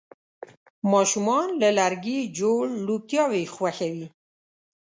ماشومان له لرګي جوړ لوبتیاوې خوښوي.